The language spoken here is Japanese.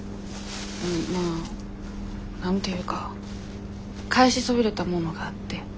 まあ何て言うか返しそびれたものがあって。